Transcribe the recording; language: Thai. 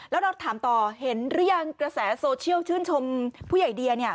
แล้วเราถามต่อเห็นหรือยังกระแสโซเชียลชื่นชมผู้ใหญ่เดียเนี่ย